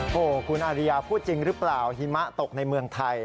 โอ้โหคุณอาริยาพูดจริงหรือเปล่าหิมะตกในเมืองไทย